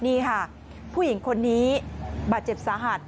นี่ค่ะผู้หญิงคนนี้บาดเจ็บสาหัส